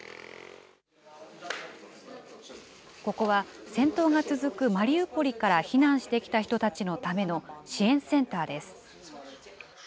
ここは戦闘が続くマリウポリから避難してきた人たちのための支援センターです。